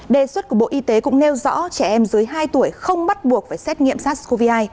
đề xuất của bộ y tế cũng nêu rõ trẻ em dưới hai tuổi không bắt buộc phải xét nghiệm sars cov hai